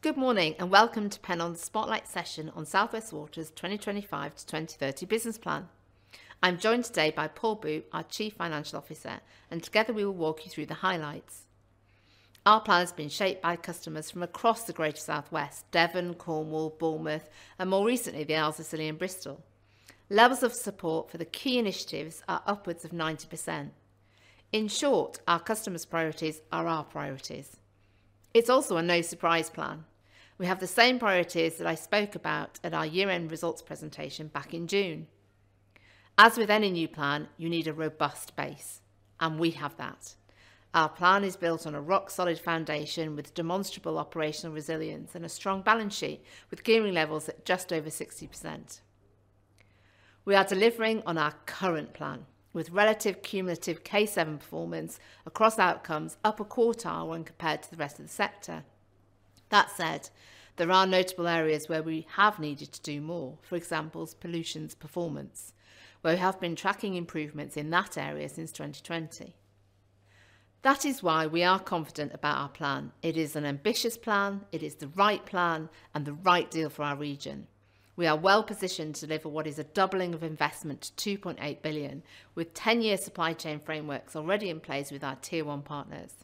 Good morning, and welcome to Pennon's Spotlight session on South West Water's 2025 to 2030 business plan. I'm joined today by Paul Boote, our Chief Financial Officer, and together we will walk you through the highlights. Our plan has been shaped by customers from across the Greater South West: Devon, Cornwall, Bournemouth, and more recently, the Isles of Scilly and Bristol. Levels of support for the key initiatives are upwards of 90%. In short, our customers' priorities are our priorities. It's also a no-surprise plan. We have the same priorities that I spoke about at our year-end results presentation back in June. As with any new plan, you need a robust base, and we have that. Our plan is built on a rock-solid foundation with demonstrable operational resilience and a strong balance sheet, with gearing levels at just over 60%. We are delivering on our current plan, with relative cumulative K7 performance across outcomes upper quartile when compared to the rest of the sector. That said, there are notable areas where we have needed to do more. For example, pollution performance, where we have been tracking improvements in that area since 2020. That is why we are confident about our plan. It is an ambitious plan. It is the right plan and the right deal for our region. We are well positioned to deliver what is a doubling of investment to 2.8 billion, with 10-year supply chain frameworks already in place with our tier 1 partners.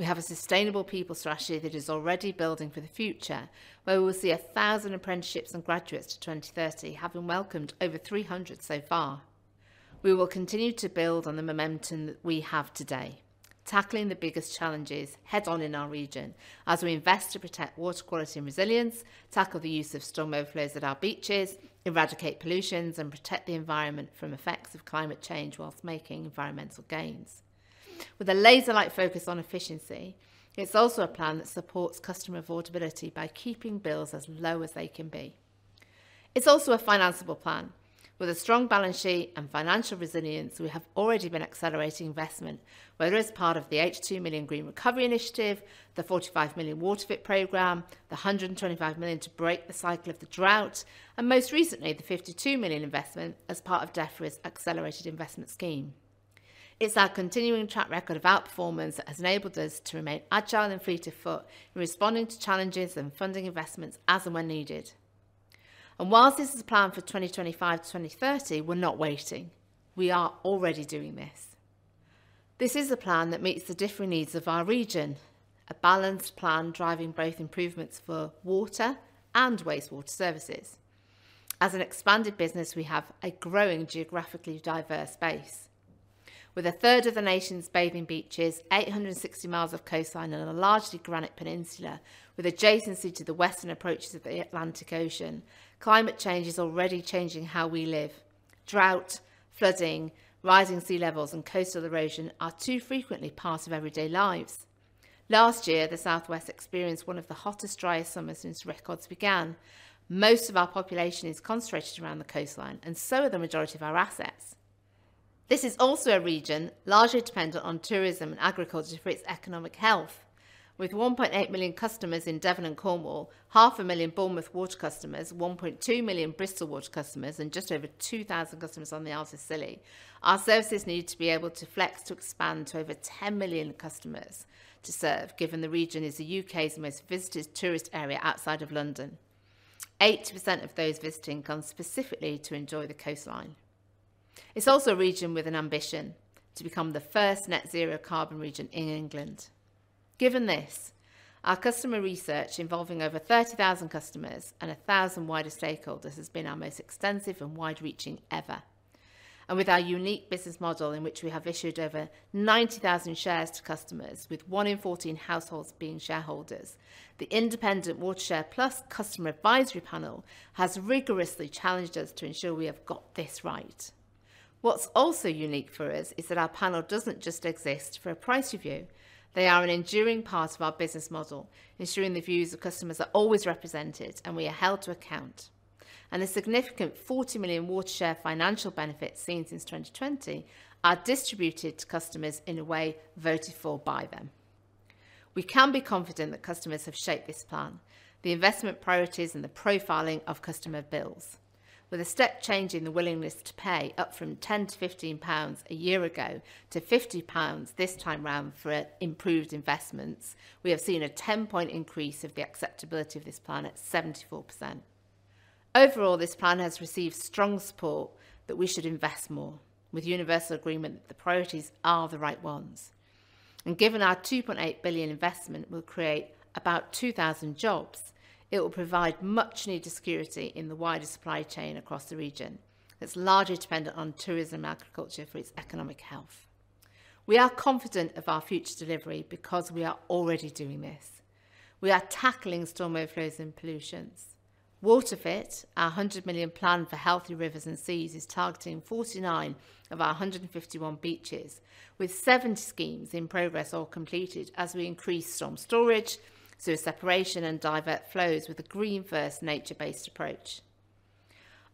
We have a sustainable people strategy that is already building for the future, where we will see 1,000 apprenticeships and graduates to 2030, having welcomed over 300 so far. We will continue to build on the momentum that we have today, tackling the biggest challenges head-on in our region as we invest to protect water quality and resilience, tackle the use of storm overflows at our beaches, eradicate pollutions, and protect the environment from effects of climate change whilst making environmental gains. With a laser-like focus on efficiency, it's also a plan that supports customer affordability by keeping bills as low as they can be. It's also a financiable plan. With a strong balance sheet and financial resilience, we have already been accelerating investment, whether as part of the 82 million Green Recovery Initiative, the 45 million WaterFit program, the 125 million to break the cycle of the drought, and most recently, the 52 million investment as part of Defra's Accelerated Investment Scheme. It's our continuing track record of outperformance that has enabled us to remain agile and fleet of foot in responding to challenges and funding investments as and when needed. While this is a plan for 2025 to 2030, we're not waiting. We are already doing this. This is a plan that meets the different needs of our region, a balanced plan driving both improvements for water and wastewater services. As an expanded business, we have a growing, geographically diverse base. With a third of the nation's bathing beaches, 860 miles of coastline, and a largely granite peninsula with adjacency to the western approaches of the Atlantic Ocean, climate change is already changing how we live. Drought, flooding, rising sea levels, and coastal erosion are too frequently part of everyday lives. Last year, the South West experienced one of the hottest, driest summers since records began. Most of our population is concentrated around the coastline, and so are the majority of our assets. This is also a region largely dependent on tourism and agriculture for its economic health. With 1.8 million customers in Devon and Cornwall, 0.5 million Bournemouth Water customers, 1.2 million Bristol Water customers, and just over 2,000 customers on the Isles of Scilly, our services need to be able to flex to expand to over 10 million customers to serve, given the region is the U.K.'s most visited tourist area outside of London. 80% of those visiting come specifically to enjoy the coastline. It's also a region with an ambition to become the first Net Zero carbon region in England. Given this, our customer research, involving over 30,000 customers and 1,000 wider stakeholders, has been our most extensive and wide-reaching ever. With our unique business model, in which we have issued over 90,000 shares to customers, with 1 in 14 households being shareholders, the independent WaterShare Plus Customer Advisory Panel has rigorously challenged us to ensure we have got this right. What's also unique for us is that our panel doesn't just exist for a price review. They are an enduring part of our business model, ensuring the views of customers are always represented, and we are held to account. The significant 40 million WaterShare financial benefits seen since 2020 are distributed to customers in a way voted for by them. We can be confident that customers have shaped this plan, the investment priorities, and the profiling of customer bills. With a step change in the willingness to pay, up from 10-15 pounds a year ago to 50 pounds this time round for improved investments, we have seen a 10-point increase of the acceptability of this plan at 74%. Overall, this plan has received strong support that we should invest more, with universal agreement that the priorities are the right ones. Given our 2.8 billion investment will create about 2,000 jobs, it will provide much-needed security in the wider supply chain across the region, that's largely dependent on tourism and agriculture for its economic health. We are confident of our future delivery because we are already doing this. We are tackling storm overflows and pollutions. WaterFit, our 100 million plan for healthy rivers and seas, is targeting 49 of our 151 beaches, with 70 schemes in progress or completed as we increase storm storage, sewer separation, and divert flows with a green-first, nature-based approach.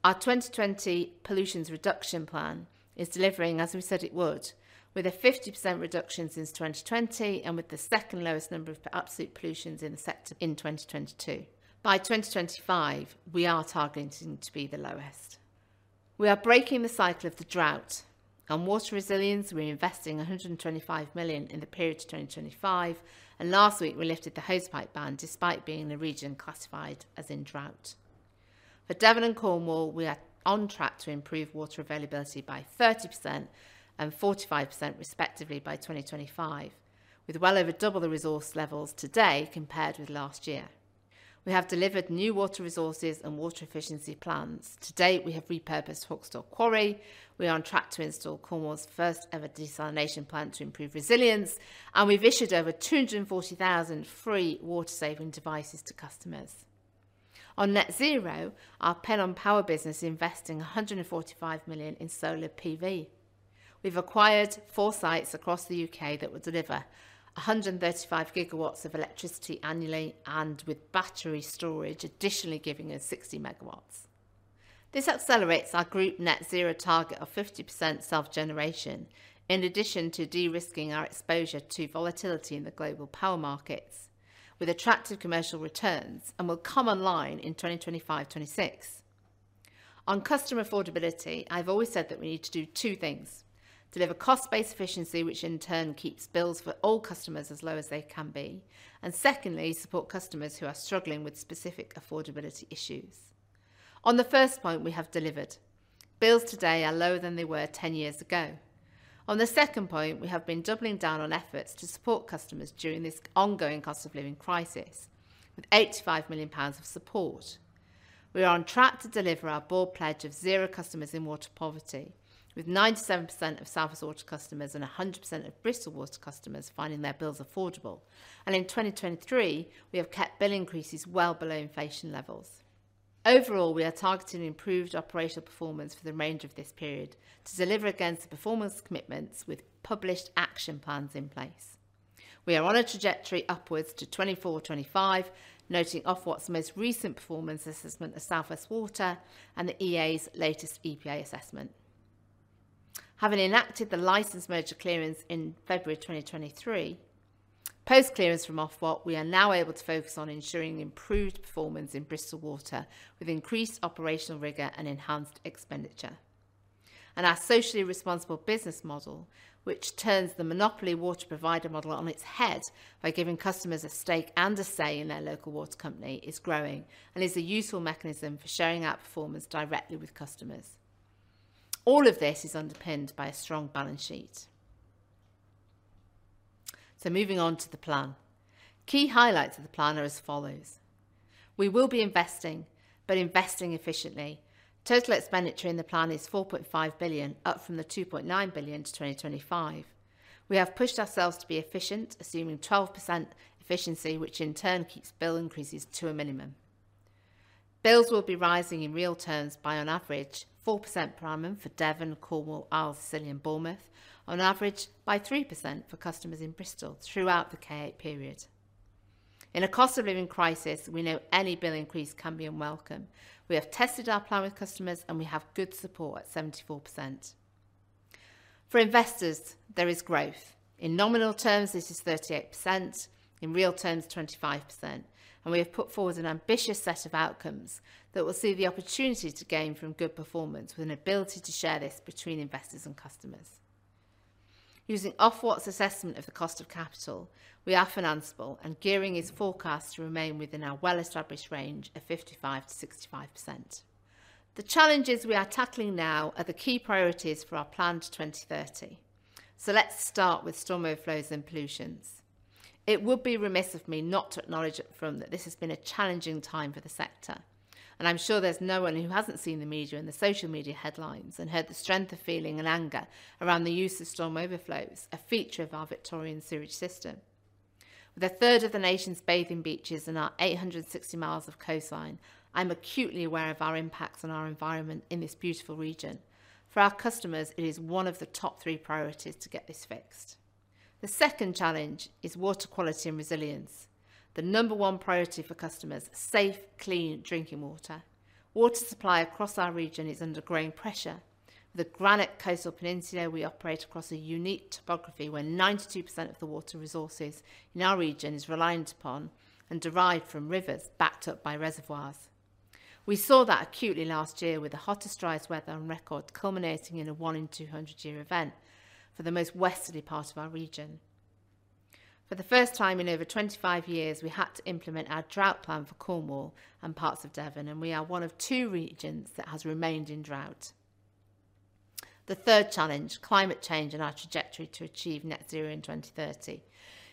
Our 2020 pollutions reduction plan is delivering, as we said it would, with a 50% reduction since 2020 and with the second lowest number of absolute pollutions in the sector in 2022. By 2025, we are targeting to be the lowest. We are breaking the cycle of the drought. On water resilience, we're investing 125 million in the period to 2025, and last week we lifted the hosepipe ban, despite being in a region classified as in drought. For Devon and Cornwall, we are on track to improve water availability by 30% and 45% respectively by 2025, with well over double the resource levels today compared with last year. We have delivered new water resources and water efficiency plans. To date, we have repurposed Hawks Tor Quarry. We are on track to install Cornwall's first-ever desalination plant to improve resilience, and we've issued over 240,000 free water-saving devices to customers. On Net Zero, our Pennon Power business is investing 145 million in solar PV. We've acquired four sites across the UK that will deliver 135 gigawatt hours of electricity annually, and with battery storage, additionally giving us 60 megawatts. This accelerates our group Net Zero target of 50% self-generation, in addition to de-risking our exposure to volatility in the global power markets, with attractive commercial returns and will come online in 2025, 2026. On customer affordability, I've always said that we need to do two things: deliver cost-based efficiency, which in turn keeps bills for all customers as low as they can be, and secondly, support customers who are struggling with specific affordability issues. On the first point, we have delivered. Bills today are lower than they were 10 years ago. On the second point, we have been doubling down on efforts to support customers during this ongoing cost of living crisis, with 85 million pounds of support. We are on track to deliver our board pledge of zero customers in water poverty, with 97% of South West Water customers and 100% of Bristol Water customers finding their bills affordable. In 2023, we have kept bill increases well below inflation levels. Overall, we are targeting improved operational performance for the range of this period to deliver against the performance commitments with published action plans in place. We are on a trajectory upwards to 2025, noting Ofwat's most recent performance assessment of South West Water and the EA's latest EPA assessment. Having enacted the license merger clearance in February 2023, post-clearance from Ofwat, we are now able to focus on ensuring improved performance in Bristol Water, with increased operational rigor and enhanced expenditure. Our socially responsible business model, which turns the monopoly water provider model on its head by giving customers a stake and a say in their local water company, is growing and is a useful mechanism for sharing our performance directly with customers. All of this is underpinned by a strong balance sheet. Moving on to the plan. Key highlights of the plan are as follows: We will be investing, but investing efficiently. Total expenditure in the plan is 4.5 billion, up from the 2.9 billion to 2025. We have pushed ourselves to be efficient, assuming 12% efficiency, which in turn keeps bill increases to a minimum. Bills will be rising in real terms by on average, 4% per annum for Devon, Cornwall, Isles of Scilly, and Bournemouth. On average, by 3% for customers in Bristol throughout the K8 period. In a cost of living crisis, we know any bill increase can be unwelcome. We have tested our plan with customers, and we have good support at 74%. For investors, there is growth. In nominal terms, this is 38%, in real terms, 25%, and we have put forward an ambitious set of outcomes that will see the opportunity to gain from good performance with an ability to share this between investors and customers. Using Ofwat's assessment of the cost of capital, we are financeable, and gearing is forecast to remain within our well-established range of 55%-65%. The challenges we are tackling now are the key priorities for our plan to 2030. So let's start with storm overflows and pollutions. It would be remiss of me not to acknowledge up front that this has been a challenging time for the sector, and I'm sure there's no one who hasn't seen the media and the social media headlines and heard the strength of feeling and anger around the use of storm overflows, a feature of our Victorian sewage system. With a third of the nation's bathing beaches and our 860 miles of coastline, I'm acutely aware of our impacts on our environment in this beautiful region. For our customers, it is one of the top three priorities to get this fixed. The second challenge is water quality and resilience. The number one priority for customers, safe, clean drinking water. Water supply across our region is under growing pressure. The granite coastal peninsula we operate across a unique topography, where 92% of the water resources in our region is reliant upon and derived from rivers backed up by reservoirs. We saw that acutely last year with the hottest, driest weather on record, culminating in a one-in-200-year event for the most westerly part of our region. For the first time in over 25 years, we had to implement our drought plan for Cornwall and parts of Devon, and we are one of two regions that has remained in drought. The third challenge, climate change and our trajectory to achieve net zero in 2030.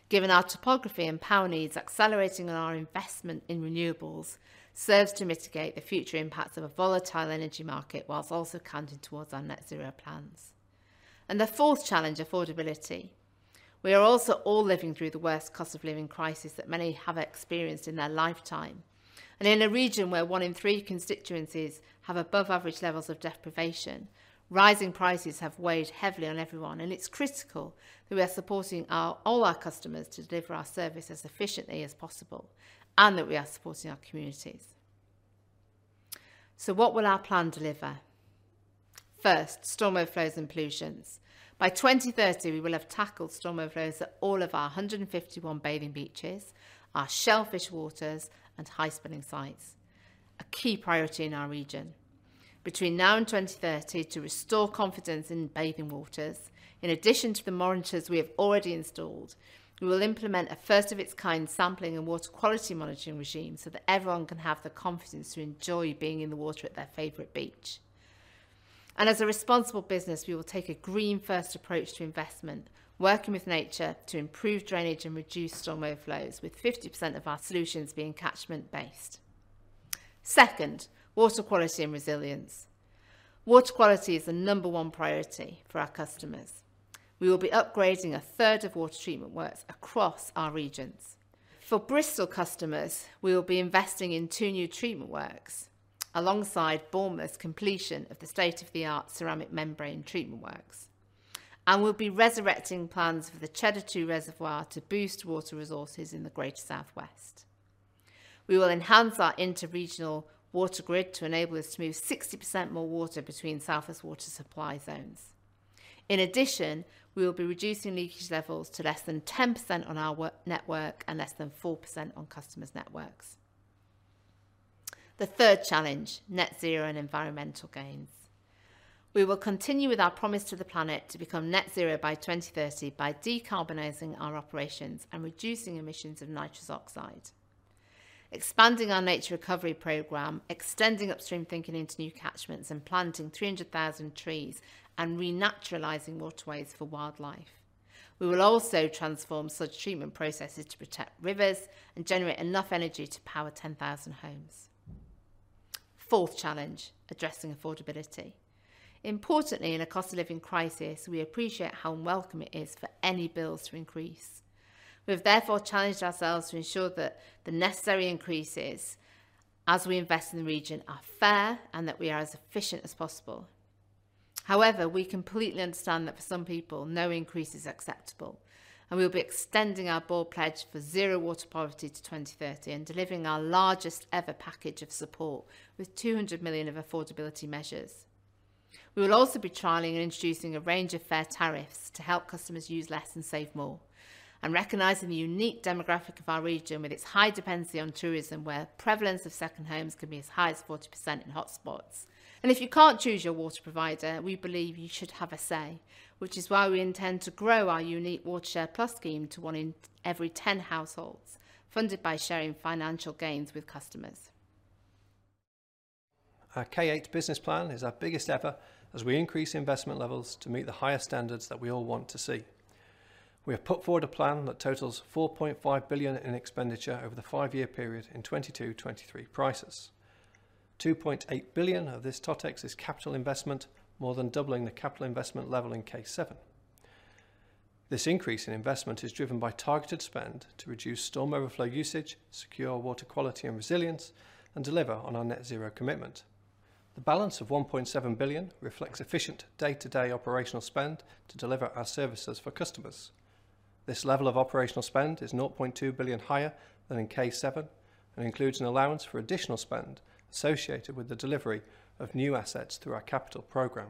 Given our topography and power needs, accelerating our investment in renewables serves to mitigate the future impacts of a volatile energy market, whilst also counting towards our net zero plans. The fourth challenge, affordability. We are also all living through the worst cost of living crisis that many have experienced in their lifetime. And in a region where one in three constituencies have above average levels of deprivation, rising prices have weighed heavily on everyone, and it's critical that we are supporting our, all our customers to deliver our service as efficiently as possible, and that we are supporting our communities. So what will our plan deliver? First, storm overflows and pollutions. By 2030, we will have tackled storm overflows at all of our 151 bathing beaches, our shellfish waters, and high spilling sites, a key priority in our region. Between now and 2030, to restore confidence in bathing waters, in addition to the monitors we have already installed, we will implement a first-of-its-kind sampling and water quality monitoring regime so that everyone can have the confidence to enjoy being in the water at their favorite beach. As a responsible business, we will take a green-first approach to investment, working with nature to improve drainage and reduce storm overflows, with 50% of our solutions being catchment-based. Second, water quality and resilience. Water quality is the number one priority for our customers. We will be upgrading a third of water treatment works across our regions. For Bristol customers, we will be investing in 2 new treatment works, alongside Bournemouth's completion of the state-of-the-art ceramic membrane treatment works, and we'll be resurrecting plans for the Cheddar Two Reservoir to boost water resources in the Greater Southwest. We will enhance our Interregional Water Grid to enable us to move 60% more water between South West Water supply zones. In addition, we will be reducing leakage levels to less than 10% on our water network and less than 4% on customers' networks. The third challenge, net zero and environmental gains. We will continue with our promise to the planet to become net zero by 2030 by decarbonizing our operations and reducing emissions of nitrous oxide, expanding our nature recovery program, extending upstream thinking into new catchments, and planting 300,000 trees, and renaturalizing waterways for wildlife. We will also transform such treatment processes to protect rivers and generate enough energy to power 10,000 homes. Fourth challenge, addressing affordability. Importantly, in a cost of living crisis, we appreciate how unwelcome it is for any bills to increase. We have therefore challenged ourselves to ensure that the necessary increases as we invest in the region are fair and that we are as efficient as possible. However, we completely understand that for some people, no increase is acceptable, and we will be extending our bold pledge for zero water poverty to 2030 and delivering our largest ever package of support with 200 million of affordability measures. We will also be trialing and introducing a range of fair tariffs to help customers use less and save more, and recognizing the unique demographic of our region with its high dependency on tourism, where prevalence of second homes can be as high as 40% in hotspots. If you can't choose your water provider, we believe you should have a say, which is why we intend to grow our unique WaterShare Plus scheme to one in every ten households, funded by sharing financial gains with customers. Our K8 business plan is our biggest ever as we increase investment levels to meet the higher standards that we all want to see. We have put forward a plan that totals 4.5 billion in expenditure over the five-year period in 2022/2023 prices. 2.8 billion of this Totex is capital investment, more than doubling the capital investment level in K7. This increase in investment is driven by targeted spend to reduce storm overflow usage, secure water quality and resilience, and deliver on our Net Zero commitment. The balance of 1.7 billion reflects efficient day-to-day operational spend to deliver our services for customers. This level of operational spend is 0.2 billion higher than in K7 and includes an allowance for additional spend associated with the delivery of new assets through our capital program.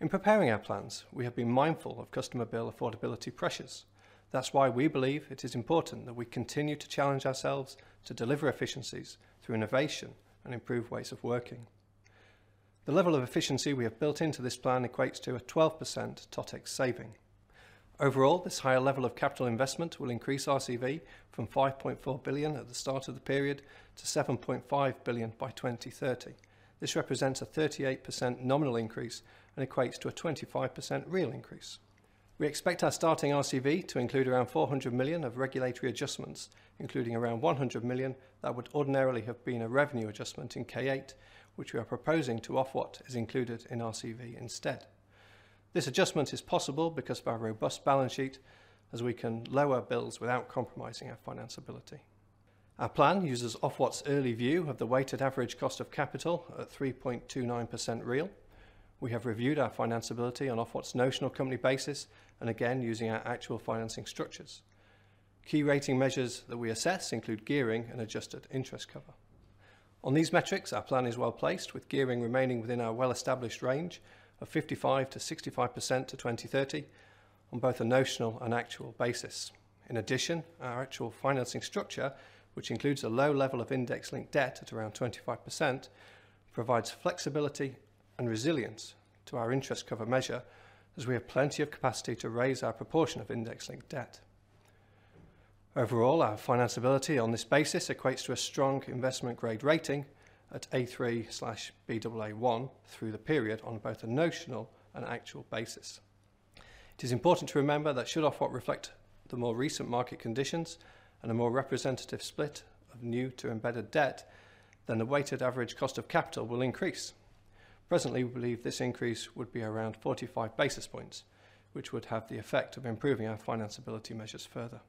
In preparing our plans, we have been mindful of customer bill affordability pressures. That's why we believe it is important that we continue to challenge ourselves to deliver efficiencies through innovation and improve ways of working. The level of efficiency we have built into this plan equates to a 12% Totex saving. Overall, this higher level of capital investment will increase RCV from 5.4 billion at the start of the period to 7.5 billion by 2030. This represents a 38% nominal increase and equates to a 25% real increase. We expect our starting RCV to include around 400 million of regulatory adjustments, including around 100 million that would ordinarily have been a revenue adjustment in K8, which we are proposing to Ofwat is included in RCV instead. This adjustment is possible because of our robust balance sheet, as we can lower bills without compromising our financeability. Our plan uses Ofwat's early view of the weighted average cost of capital at 3.29% real. We have reviewed our financeability on Ofwat's notional company basis and again, using our actual financing structures. Key rating measures that we assess include gearing and adjusted interest cover. On these metrics, our plan is well-placed, with gearing remaining within our well-established range of 55%-65% to 2030 on both a notional and actual basis. In addition, our actual financing structure, which includes a low level of index-linked debt at around 25%, provides flexibility and resilience to our interest cover measure as we have plenty of capacity to raise our proportion of index-linked debt. Overall, our financeability on this basis equates to a strong investment grade rating at A3/Baa1 through the period on both a notional and actual basis. It is important to remember that should Ofwat reflect the more recent market conditions and a more representative split of new to embedded debt, then the weighted average cost of capital will increase. Presently, we believe this increase would be around 45 basis points, which would have the effect of improving our financeability measures further.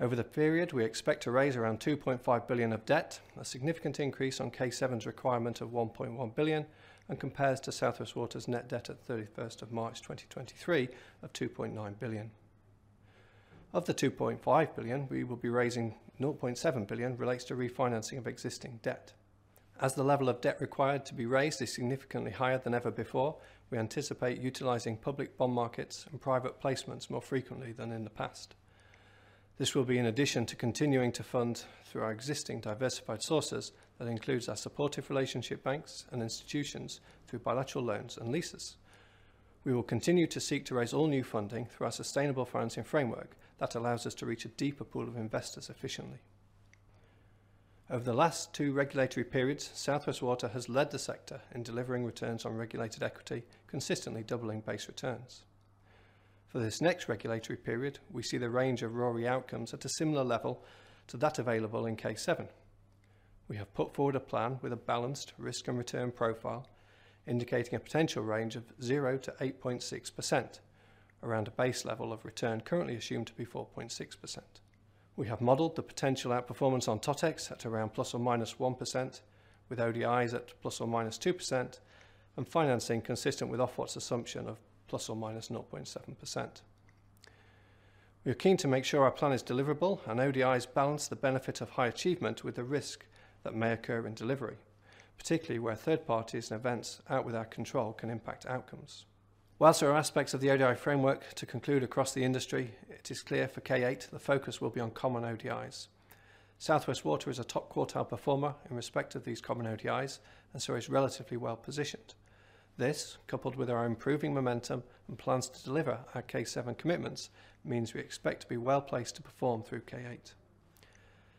Over the period, we expect to raise around 2.5 billion of debt, a significant increase on K7's requirement of 1.1 billion, and compares to South West Water's net debt at 31st of March 2023 of 2.9 billion... Of the 2.5 billion we will be raising, 0.7 billion relates to refinancing of existing debt. As the level of debt required to be raised is significantly higher than ever before, we anticipate utilizing public bond markets and private placements more frequently than in the past. This will be in addition to continuing to fund through our existing diversified sources, that includes our supportive relationship banks and institutions through bilateral loans and leases. We will continue to seek to raise all new funding through our sustainable financing framework that allows us to reach a deeper pool of investors efficiently. Over the last two regulatory periods, South West Water has led the sector in delivering returns on regulated equity, consistently doubling base returns. For this next regulatory period, we see the range of RoRE outcomes at a similar level to that available in K7. We have put forward a plan with a balanced risk and return profile, indicating a potential range of 0-8.6%, around a base level of return currently assumed to be 4.6%. We have modeled the potential outperformance on Totex at around ±1%, with ODIs at ±2%, and financing consistent with Ofwat's assumption of ±0.7%. We are keen to make sure our plan is deliverable, and ODIs balance the benefit of high achievement with the risk that may occur in delivery, particularly where third parties and events out with our control can impact outcomes. Whilst there are aspects of the ODI framework to conclude across the industry, it is clear for K8, the focus will be on common ODIs. South West Water is a top-quartile performer in respect of these common ODIs, and so is relatively well positioned. This, coupled with our improving momentum and plans to deliver our K7 commitments, means we expect to be well-placed to perform through K8.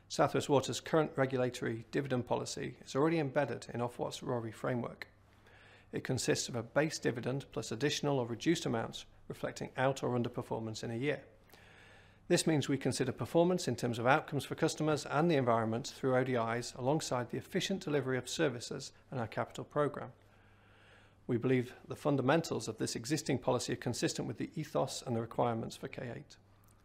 South West Water's current regulatory dividend policy is already embedded in Ofwat's RoRE framework. It consists of a base dividend plus additional or reduced amounts reflecting out or underperformance in a year. This means we consider performance in terms of outcomes for customers and the environment through ODIs, alongside the efficient delivery of services and our capital program. We believe the fundamentals of this existing policy are consistent with the ethos and the requirements for K8.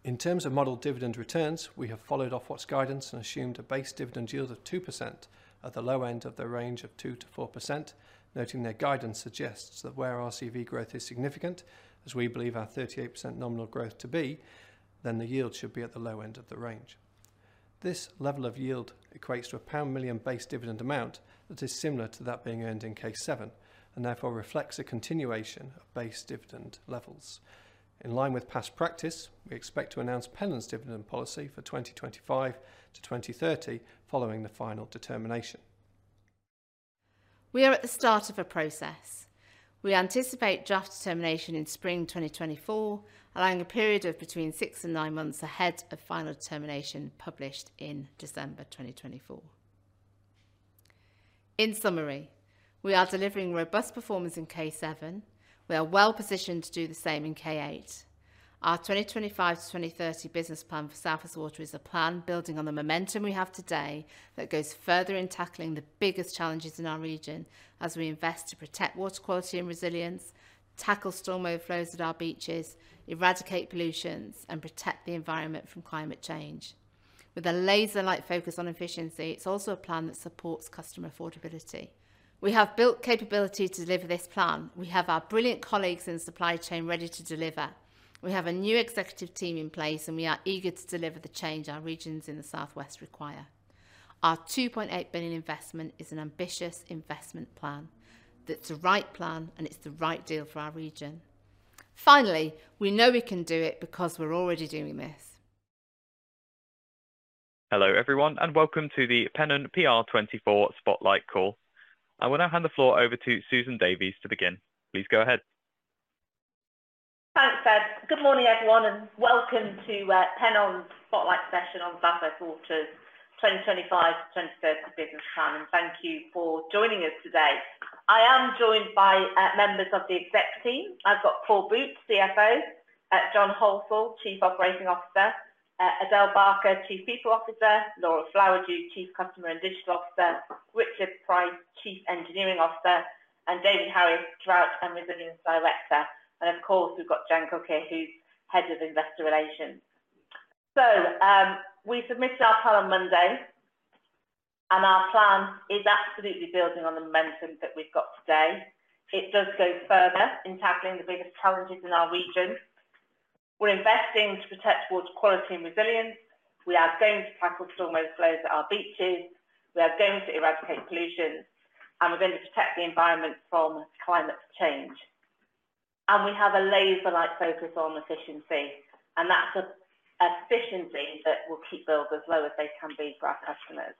In terms of model dividend returns, we have followed Ofwat's guidance and assumed a base dividend yield of 2% at the low end of the range of 2%-4%, noting their guidance suggests that where RCV growth is significant, as we believe our 38% nominal growth to be, then the yield should be at the low end of the range. This level of yield equates to a £1 million base dividend amount that is similar to that being earned in K7, and therefore reflects a continuation of base dividend levels. In line with past practice, we expect to announce Pennon's dividend policy for 2025-2030 following the final determination. We are at the start of a process. We anticipate draft determination in spring 2024, allowing a period of between 6 and 9 months ahead of final determination, published in December 2024. In summary, we are delivering robust performance in K7. We are well positioned to do the same in K8. Our 2025 to 2030 business plan for South West Water is a plan building on the momentum we have today that goes further in tackling the biggest challenges in our region as we invest to protect water quality and resilience, tackle storm overflows at our beaches, eradicate pollutions, and protect the environment from climate change. With a laser-like focus on efficiency, it's also a plan that supports customer affordability. We have built capability to deliver this plan. We have our brilliant colleagues in the supply chain ready to deliver. We have a new executive team in place, and we are eager to deliver the change our regions in the South West require. Our 2.8 billion investment is an ambitious investment plan. That's the right plan, and it's the right deal for our region. Finally, we know we can do it because we're already doing this. Hello, everyone, and welcome to the Pennon PR24 Spotlight Call. I will now hand the floor over to Susan Davy to begin. Please go ahead. Thanks, Ed. Good morning, everyone, and welcome to Pennon's Spotlight session on South West Water's 2025 to 2030 business plan. Thank you for joining us today. I am joined by members of the exec team. I've got Paul Boote, CFO, John Halsall, Chief Operating Officer, Adele Barker, Chief People Officer, Laura Flowerdew, Chief Customer and Digital Officer, Richard Price, Chief Engineering Officer, and David Harris, Drought and Resilience Director. And of course, we've got Jen Cooke, who's Head of Investor Relations. So, we submitted our plan on Monday, and our plan is absolutely building on the momentum that we've got today. It does go further in tackling the biggest challenges in our region. We're investing to protect water quality and resilience. We are going to tackle storm overflows at our beaches, we are going to eradicate pollution, and we're going to protect the environment from climate change. We have a laser-like focus on efficiency, and that's an efficiency that will keep bills as low as they can be for our customers,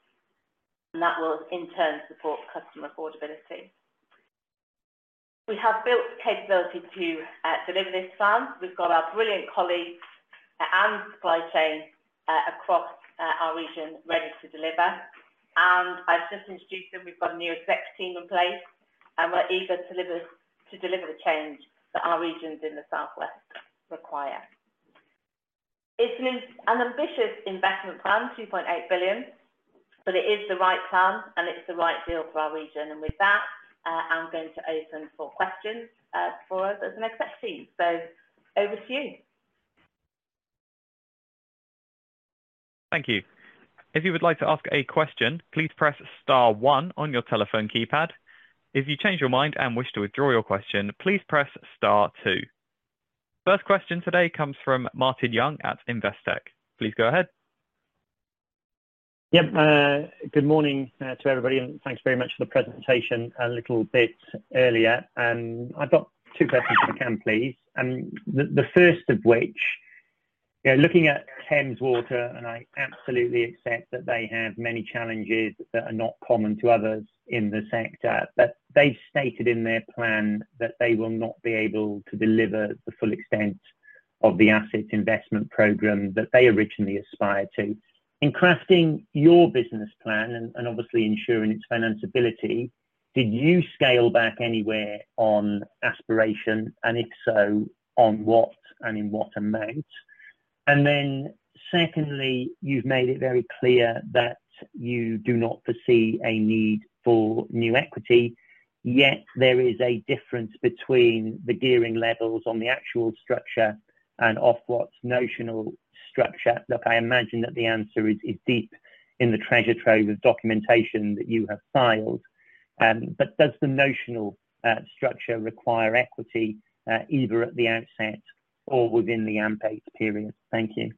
and that will in turn support customer affordability. We have built the capability to deliver this plan. We've got our brilliant colleagues and supply chain across our region ready to deliver. And I've just introduced them. We've got a new exec team in place, and we're eager to deliver, to deliver the change that our regions in the South West require. It's an ambitious investment plan, 2.8 billion, but it is the right plan and it's the right deal for our region. And with that, I'm going to open for questions, for the exec team. So over to you. Thank you. If you would like to ask a question, please press star one on your telephone keypad. If you change your mind and wish to withdraw your question, please press star two. First question today comes from Martin Young at Investec. Please go ahead. Yep, good morning to everybody, and thanks very much for the presentation a little bit earlier. I've got two questions, if I can, please. The first of which, you know, looking at Thames Water, and I absolutely accept that they have many challenges that are not common to others in the sector. But they've stated in their plan that they will not be able to deliver the full extent of the asset investment program that they originally aspired to. In crafting your business plan and obviously ensuring its financability, did you scale back anywhere on aspiration? And if so, on what and in what amount? And then, secondly, you've made it very clear that you do not foresee a need for new equity, yet there is a difference between the gearing levels on the actual structure and Ofwat's notional structure. Look, I imagine that the answer is deep in the treasure trove of documentation that you have filed. But does the notional structure require equity either at the outset or within the AMP period? Thank you.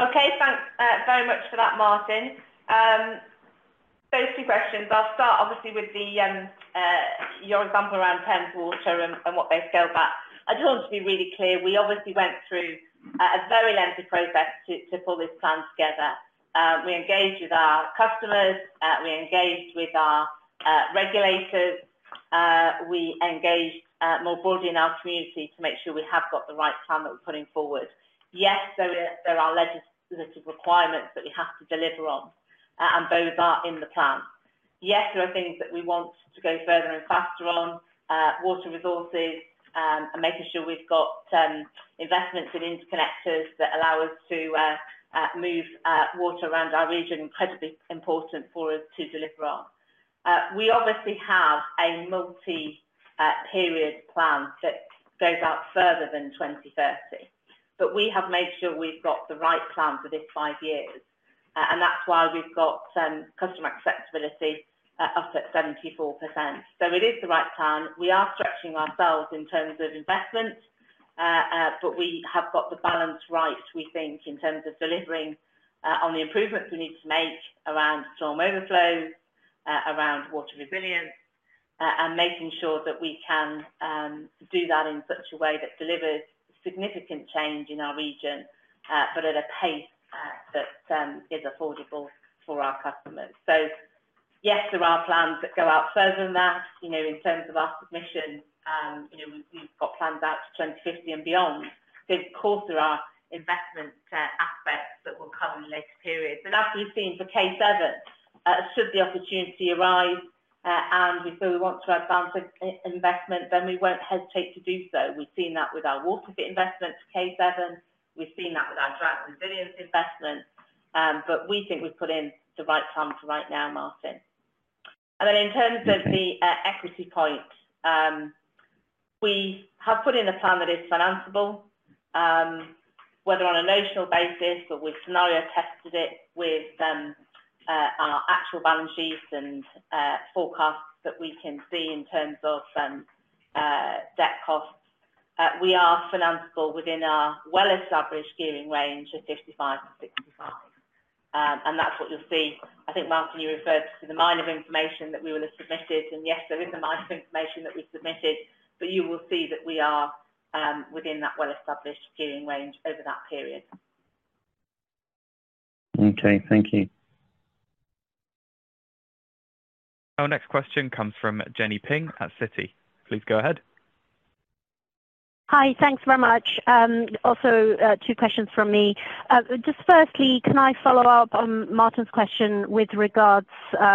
Okay. Thanks, very much for that, Martin. Those two questions, I'll start obviously with your example around Thames Water and what they scaled back. I just want to be really clear, we obviously went through a very lengthy process to pull this plan together. We engaged with our customers, we engaged with our regulators, we engaged more broadly in our community to make sure we have got the right plan that we're putting forward. Yes, so there are legislative requirements that we have to deliver on, and those are in the plan. Yes, there are things that we want to go further and faster on, water resources, and making sure we've got investments in interconnectors that allow us to move water around our region. Incredibly important for us to deliver on. We obviously have a multi period plan that goes out further than 2030, but we have made sure we've got the right plan for this five years, and that's why we've got customer acceptability up at 74%. So it is the right plan. We are stretching ourselves in terms of investment, but we have got the balance right, we think, in terms of delivering on the improvements we need to make around storm overflows, around water resilience, and making sure that we can do that in such a way that delivers significant change in our region, but at a pace that is affordable for our customers. So yes, there are plans that go out further than that, you know, in terms of our submission, you know, we've got plans out to 2050 and beyond. So of course, there are investment aspects that will come in later periods. But as we've seen for K7, should the opportunity arise, and if we want to advance investment, then we won't hesitate to do so. We've seen that with our WaterFit investment to K7. We've seen that with our drought resilience investment, but we think we've put in the right plan for right now, Martin. And then in terms of the equity point, we have put in a plan that is financeable, whether on a notional basis, but we've scenario-tested it with our actual balances and forecasts that we can see in terms of debt costs. We are financeable within our well-established gearing range of 55%-65%. And that's what you'll see. I think, Martin, you referred to the mine of information that we will have submitted, and yes, there is a mine of information that we've submitted, but you will see that we are within that well-established gearing range over that period. Okay, thank you. Our next question comes from Jenny Ping at Citi. Please go ahead. Hi, thanks very much. Also, two questions from me. Just firstly, can I follow up on Martin's question with regards,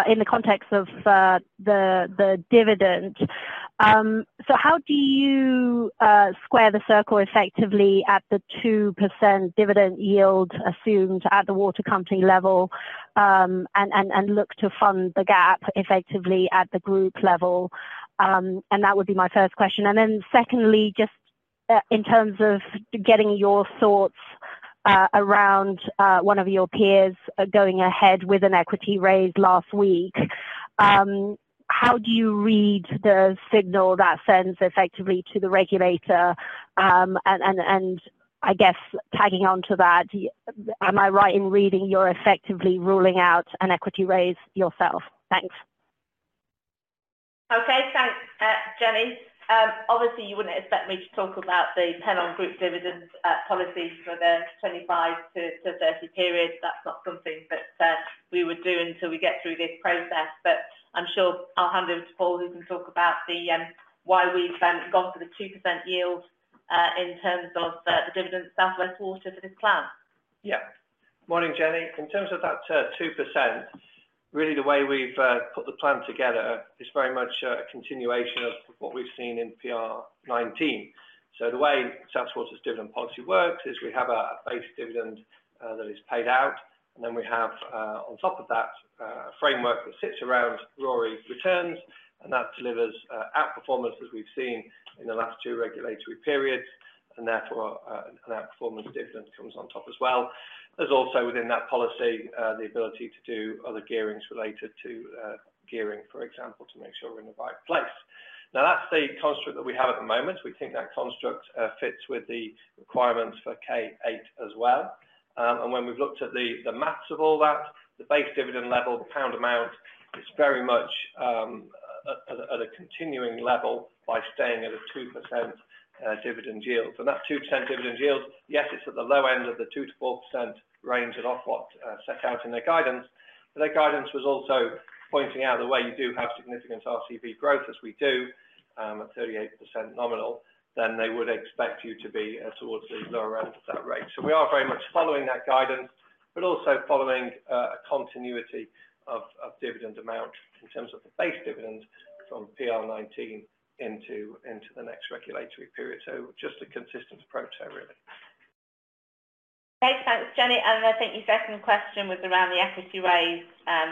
in the context of, the dividend? So how do you square the circle effectively at the 2% dividend yield assumed at the water company level, and look to fund the gap effectively at the group level? And that would be my first question. And then secondly, just in terms of getting your thoughts around one of your peers going ahead with an equity raise last week, how do you read the signal that sends effectively to the regulator? And I guess tagging on to that, am I right in reading, you're effectively ruling out an equity raise yourself? Thanks. Okay. Thanks, Jenny. Obviously, you wouldn't expect me to talk about the Pennon Group dividend policy for the 2025-2030 period. That's not something that we would do until we get through this process, but I'm sure I'll hand over to Paul, who can talk about the why we've then gone for the 2% yield in terms of the dividend South West Water for this plan. Yeah. Morning, Jenny. In terms of that 2%, really the way we've put the plan together is very much a continuation of what we've seen in PR19. So the way South West's dividend policy works is we have a base dividend that is paid out. And then we have on top of that a framework that sits around RoRE returns, and that delivers outperformance as we've seen in the last two regulatory periods, and therefore an outperformance dividend comes on top as well. There's also within that policy the ability to do other gearings related to gearing, for example, to make sure we're in the right place. Now, that's the construct that we have at the moment. We think that construct fits with the requirements for K8 as well. When we've looked at the math of all that, the base dividend level, the pound amount, is very much at a continuing level by staying at a 2% dividend yield. That 2% dividend yield, yes, it's at the low end of the 2%-4% range that Ofwat set out in their guidance, but their guidance was also pointing out the way you do have significant RCV growth, as we do, at 38% nominal, then they would expect you to be towards the lower end of that rate. We are very much following that guidance, but also following a continuity of dividend amount in terms of the base dividend from PR19 into the next regulatory period. Just a consistent approach there, really. Okay, thanks, Jenny. And I think your second question was around the equity raise,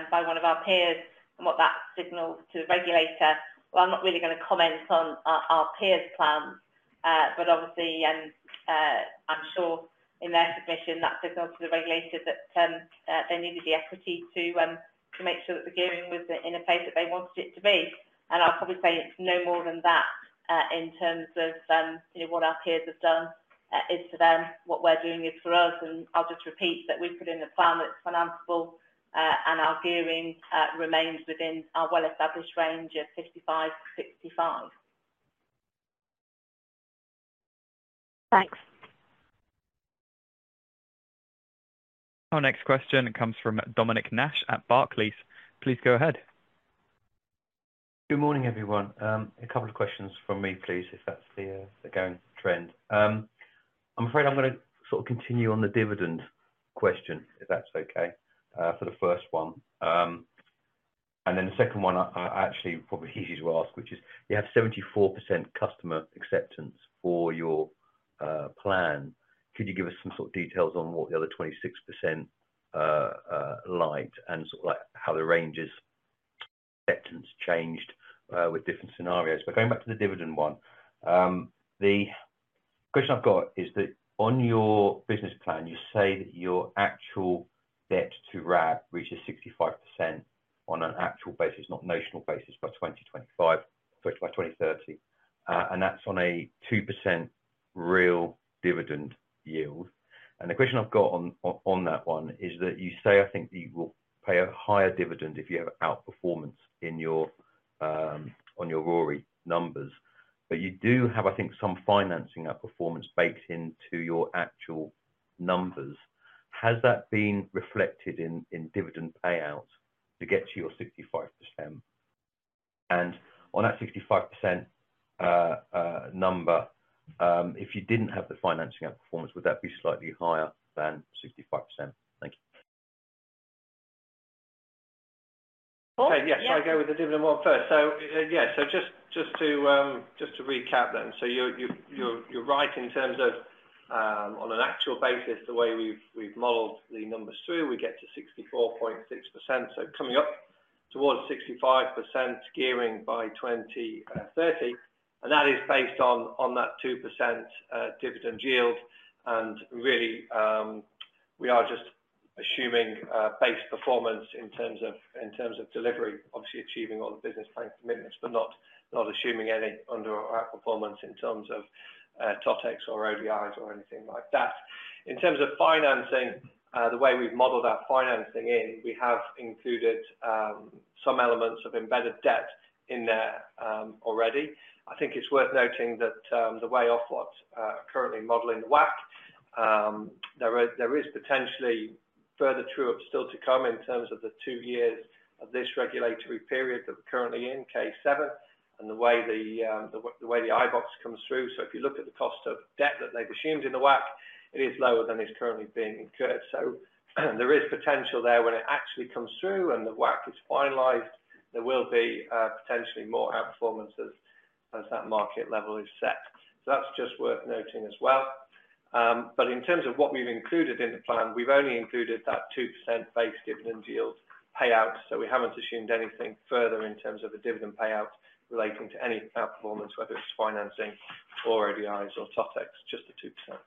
by one of our peers and what that signals to the regulator. Well, I'm not really going to comment on our peers' plans, but obviously, I'm sure in their submission, that signals to the regulator that, they needed the equity to, to make sure that the gearing was in a place that they wanted it to be. And I'll probably say it's no more than that, in terms of, you know, what our peers have done, is for them. What we're doing is for us, and I'll just repeat that we've put in a plan that's financeable, and our gearing, remains within our well-established range of 55%-65%. Thanks. Our next question comes from Dominic Nash at Barclays. Please go ahead. Good morning, everyone. A couple of questions from me, please, if that's the going trend. I'm afraid I'm going to sort of continue on the dividend question, if that's okay, for the first one. And then the second one, I actually probably easier to ask, which is, you have 74% customer acceptance for your plan. Could you give us some sort of details on what the other 26% liked, and sort of like, how the range is acceptance changed with different scenarios? But going back to the dividend one, the question I've got is that on your business plan, you say that your actual debt to RAB reaches 65% on an actual basis, not notional basis, by 2025, sorry, by 2030, and that's on a 2% real dividend yield. The question I've got on that one is that you say, I think, you will pay a higher dividend if you have outperformance in your on your RoRE numbers, but you do have, I think, some financing outperformance baked into your actual numbers. Has that been reflected in dividend payouts to get to your 65%? On that 65% number, if you didn't have the financing outperformance, would that be slightly higher than 65%? Thank you. Okay, yes, shall I go with the dividend one first? So, yeah, so just to recap then. So you're right in terms of, on an actual basis, the way we've modeled the numbers through, we get to 64.6%. So coming up towards 65% gearing by 2030, and that is based on that 2% dividend yield. And really, we are just assuming base performance in terms of delivery, obviously achieving all the business plan commitments, but not assuming any under our outperformance in terms of Totex or ODIs or anything like that. In terms of financing, the way we've modeled that financing in, we have included some elements of embedded debt in there, already. I think it's worth noting that, the way Ofwat are currently modeling the WACC, there is, there is potentially further true-up still to come in terms of the two years of this regulatory period that we're currently in, K7, and the way the, the way the IVOAs comes through. So if you look at the cost of debt that they've assumed in the WACC, it is lower than is currently being incurred. So there is potential there when it actually comes through and the WACC is finalized, there will be, potentially more outperformance as, as that market level is set. So that's just worth noting as well. But in terms of what we've included in the plan, we've only included that 2% base dividend yield payout, so we haven't assumed anything further in terms of a dividend payout relating to any outperformance, whether it's financing or ODIs or Totex, just the 2%.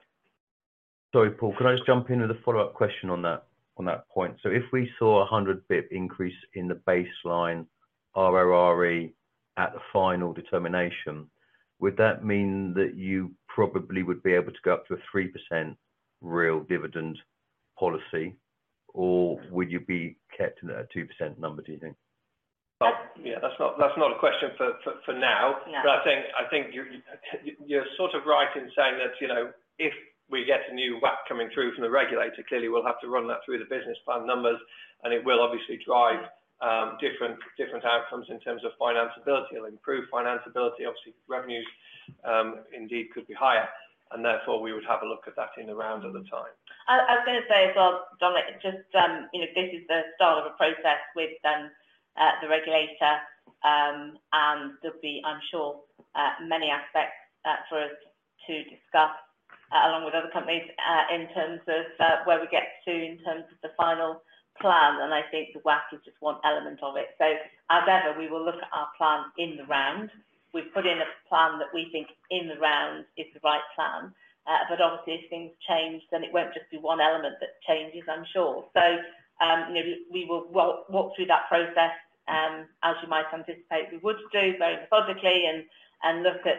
Sorry, Paul, can I just jump in with a follow-up question on that, on that point? So if we saw a 100 pip increase in the baseline RRRE at the Final Determination, would that mean that you probably would be able to go up to a 3% real dividend policy, or would you be kept in a 2% number, do you think? Well, yeah, that's not a question for now. Yeah. But I think, I think you're sort of right in saying that, you know, if we get a new WACC coming through from the regulator, clearly, we'll have to run that through the business plan numbers, and it will obviously drive different outcomes in terms of financeability. It'll improve financeability. Obviously, revenues, indeed, could be higher, and therefore, we would have a look at that in the round at the time. I was going to say as well, Dominic, just, you know, this is the start of a process with the regulator... there'll be, I'm sure, many aspects for us to discuss along with other companies in terms of where we get to in terms of the final plan, and I think the WACC is just one element of it. So as ever, we will look at our plan in the round. We've put in a plan that we think in the round is the right plan, but obviously, if things change, then it won't just be one element that changes, I'm sure. So, you know, we will walk through that process as you might anticipate we would do very positively and look at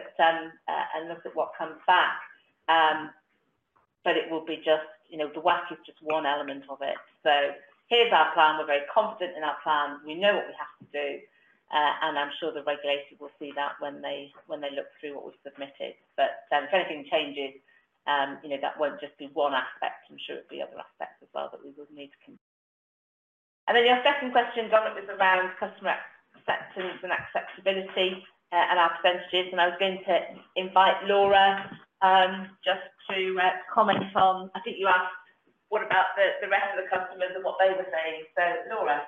what comes back. But it will be just, you know, the WACC is just one element of it. So here's our plan. We're very confident in our plan. We know what we have to do, and I'm sure the regulator will see that when they, when they look through what we've submitted. But, if anything changes, you know, that won't just be one aspect. I'm sure it'll be other aspects as well that we would need to con... And then your second question, Donald, was around customer acceptance and accessibility, and our percentages, and I was going to invite Laura, just to comment on. I think you asked, what about the, the rest of the customers and what they were saying? So, Laura.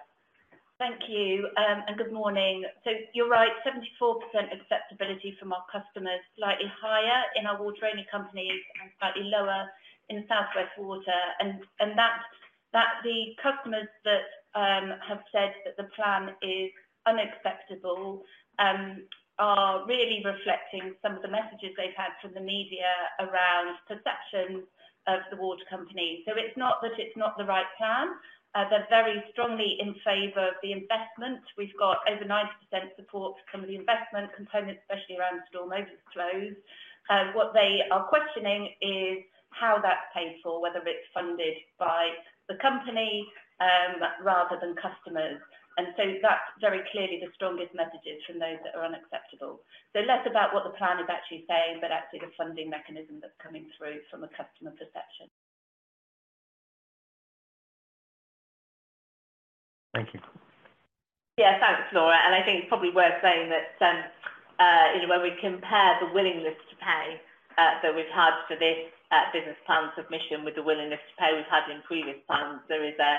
Thank you, and good morning. So you're right, 74% acceptability from our customers, slightly higher in our water-only companies and slightly lower in South West Water. And that's the customers that have said that the plan is unacceptable are really reflecting some of the messages they've had from the media around perceptions of the water company. So it's not that it's not the right plan, they're very strongly in favor of the investment. We've got over 90% support from the investment component, especially around Storm Overflow. What they are questioning is how that's paid for, whether it's funded by the company, rather than customers. And so that's very clearly the strongest messages from those that are unacceptable. So less about what the plan is actually saying, but actually the funding mechanism that's coming through from a customer perception. Thank you. Yeah. Thanks, Laura, and I think it's probably worth saying that, you know, when we compare the willingness to pay, that we've had for this, business plan submission with the willingness to pay we've had in previous plans, there is a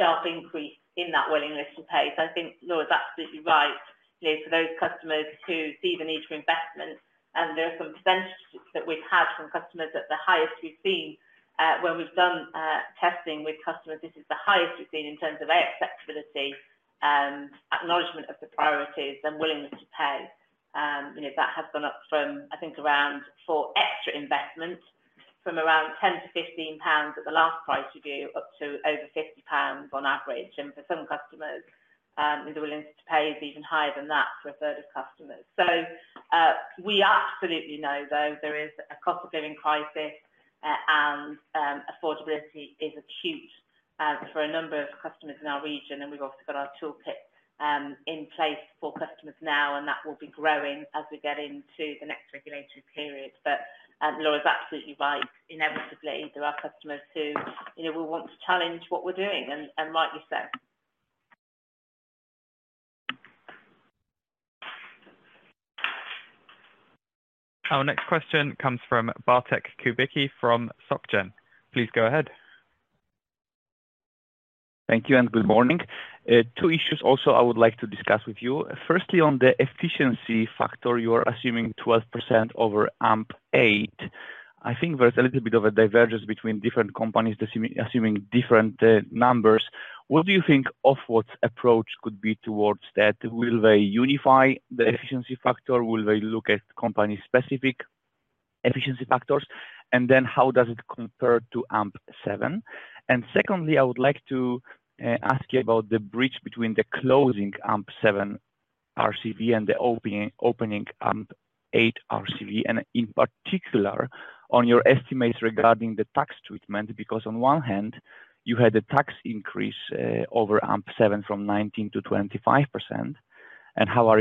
sharp increase in that willingness to pay. So I think Laura is absolutely right. You know, for those customers who see the need for investment, and there are some percentages that we've had from customers at the highest we've seen, when we've done, testing with customers, this is the highest we've seen in terms of acceptability and acknowledgment of the priorities and willingness to pay. You know, that has gone up from, I think, around for extra investment, from around 10-15 pounds at the last price review, up to over 50 pounds on average. For some customers, the willingness to pay is even higher than that for a third of customers. We absolutely know, though, there is a cost of living crisis, and affordability is acute for a number of customers in our region, and we've also got our toolkit in place for customers now, and that will be growing as we get into the next regulatory period. Laura is absolutely right. Inevitably, there are customers who, you know, will want to challenge what we're doing, and rightly so. Our next question comes from Bartek Kubicki from SocGen. Please go ahead. Thank you and good morning. Two issues also I would like to discuss with you. Firstly, on the efficiency factor, you are assuming 12% over AMP8. I think there's a little bit of a divergence between different companies assuming different numbers. What do you think Ofwat's approach could be towards that? Will they unify the efficiency factor? Will they look at company-specific efficiency factors? And then how does it compare to AMP7? And secondly, I would like to ask you about the bridge between the closing AMP7 RCV and the opening AMP8 RCV, and in particular, on your estimates regarding the tax treatment, because on one hand, you had a tax increase over AMP7 from 19%-25%, and how are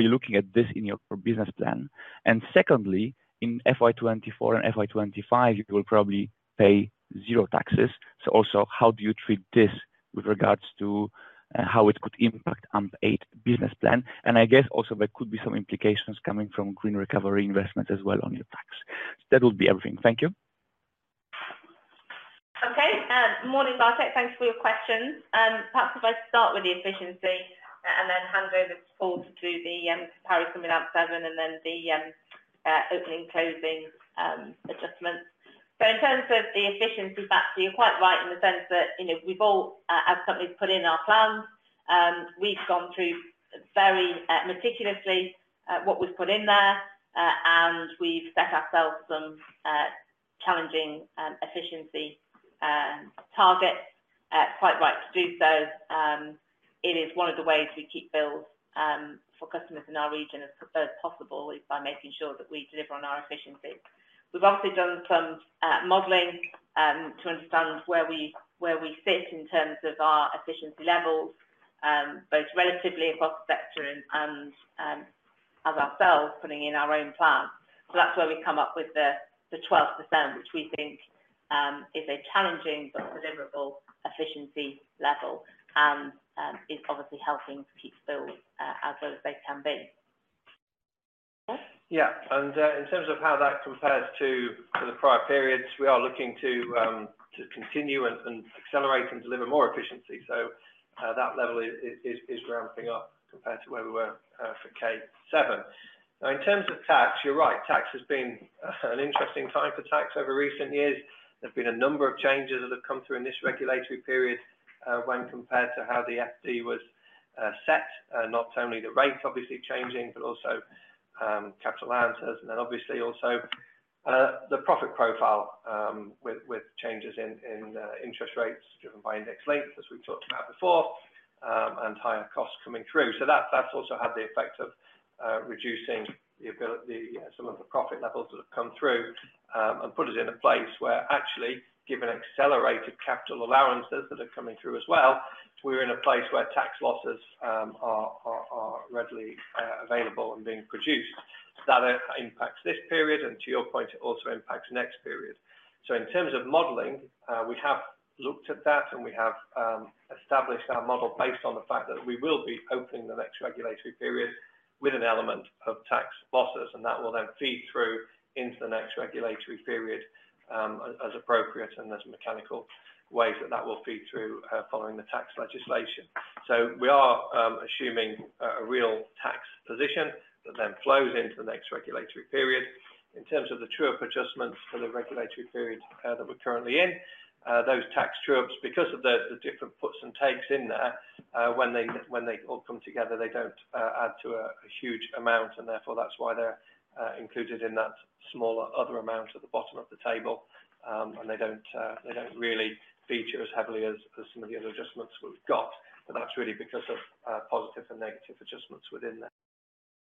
you looking at this in your business plan? Secondly, in FY 2024 and FY 2025, you will probably pay zero taxes. So also, how do you treat this with regards to how it could impact AMP8 business plan? And I guess also there could be some implications coming from Green Recovery investment as well on your tax. That would be everything. Thank you. Okay. Morning, Bartek. Thanks for your questions. Perhaps if I start with the efficiency and then hand over to Paul to do the comparison with AMP seven and then the opening, closing adjustments. So in terms of the efficiency factor, you're quite right in the sense that, you know, we've all, as companies, put in our plans, we've gone through very meticulously what we've put in there, and we've set ourselves some challenging efficiency targets. Quite right to do so, it is one of the ways we keep bills for customers in our region as possible, is by making sure that we deliver on our efficiency. We've also done some modeling to understand where we sit in terms of our efficiency levels both relatively across the sector and as ourselves putting in our own plan. So that's where we come up with the 12%, which we think is a challenging but deliverable efficiency level and is obviously helping to keep bills as low as they can be. Yeah, and, in terms of how that compares to the prior periods, we are looking to continue and accelerate and deliver more efficiency. So, that level is, is, is ramping up compared to where we were for K7. Now, in terms of tax, you're right, tax has been an interesting time for tax over recent years. There have been a number of changes that have come through in this regulatory period when compared to how the FD was set. Not only the rates obviously changing, but also capital allowances, and then obviously also the profit profile with changes in interest rates driven by index-linked, as we talked about before, and higher costs coming through. So that, that's also had the effect of, reducing the ability, some of the profit levels that have come through, and put us in a place where actually, given accelerated capital allowances that are coming through as well, we're in a place where tax losses are readily available and being produced. That impacts this period, and to your point, it also impacts next period. In terms of modeling, we have looked at that, and we have established our model based on the fact that we will be opening the next regulatory period with an element of tax losses, and that will then feed through into the next regulatory period, as appropriate, and there's mechanical ways that that will feed through, following the tax legislation. So we are assuming a real tax position that then flows into the next regulatory period. In terms of the true-up adjustments for the regulatory period that we're currently in, those tax true-ups, because of the different puts and takes in there, when they all come together, they don't add to a huge amount, and therefore, that's why they're included in that smaller other amount at the bottom of the table. And they don't really feature as heavily as some of the other adjustments we've got. But that's really because of positive and negative adjustments within there.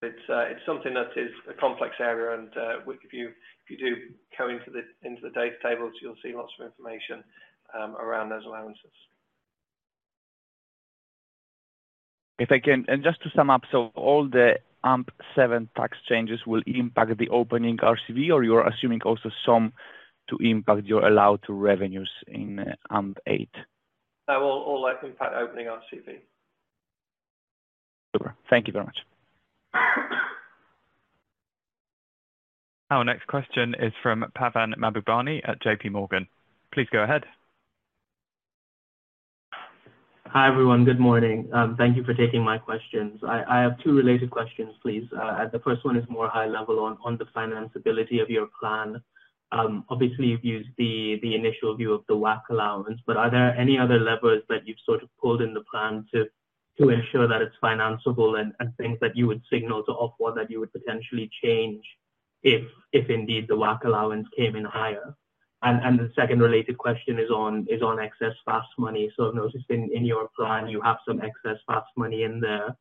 It's something that is a complex area, and if you do go into the data tables, you'll see lots of information around those allowances. Just to sum up, so all the AMP7 Totex changes will impact the opening RCV, or you are assuming also some to impact your allowed revenues in AMP8? That will all impact opening RCV. Super. Thank you very much. Our next question is from Pavan Mahbubani at J.P. Morgan. Please go ahead. Hi, everyone. Good morning. Thank you for taking my questions. I have two related questions, please. The first one is more high level on the financeability of your plan. Obviously, you've used the initial view of the WACC allowance, but are there any other levers that you've sort of pulled in the plan to ensure that it's financeable and things that you would signal to Ofwat that you would potentially change if indeed the WACC allowance came in higher? The second related question is on excess Fast money. So I've noticed in your plan, you have some excess Fast money in there.